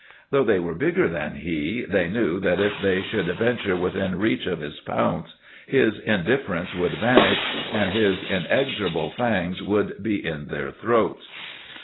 Though they were bigger than he, they knew that, if they should venture within reach of his pounce, his indifference would vanish and his inexorable fangs would be in their throats.